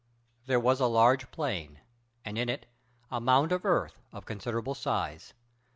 There was a large plain, and in it a mound of earth of considerable size.